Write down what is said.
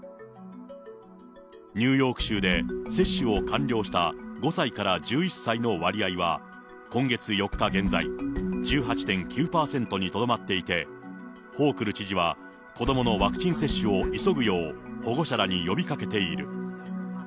ニューヨーク州で接種を完了した５歳から１１歳の割合は、今月４日現在、１８．９％にとどまっていて、ホークル知事は、子どものワクチン接種を急ぐよう保護者らに呼びかけている。